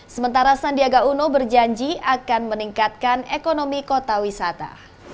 sementara sandiaga uno berjanji akan meningkatkan ekonomi kota wisata